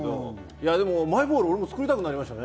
マイボール、俺も作りたくなりましたね。